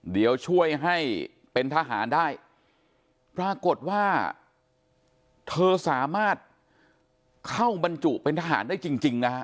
เดี๋ยวช่วยให้เป็นทหารได้ปรากฏว่าเธอสามารถเข้าบรรจุเป็นทหารได้จริงจริงนะฮะ